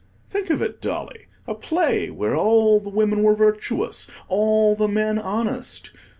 Think of it, Dolly, a play where all the women were virtuous, all the men honest!